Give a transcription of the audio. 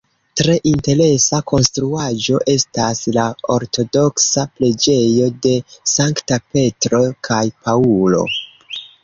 Tre interesa konstruaĵo estas la Ortodoksa preĝejo de Sankta Petro kaj Paŭlo.